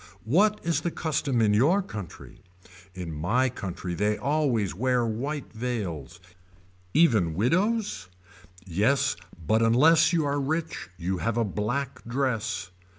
What is the custom in your country. In my country they always wear white veils. Even widows. Yes but unless you are rich you have a black dress.